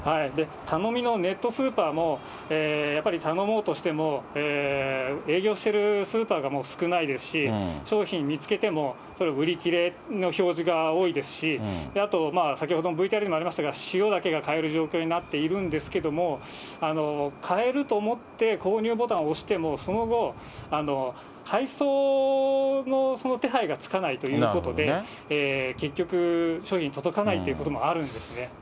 頼みのネットスーパーも、やっぱり、頼もうとしても、営業しているスーパーがもう少ないですし、商品見つけても、売り切れの表示が多いですし、あと、先ほどもＶＴＲにもありましたが、塩だけが買える状況になっているんですけれども、買えると思って購入ボタンを押しても、その後、配送の手配がつかないということで、結局、商品届かないということもあるんですね。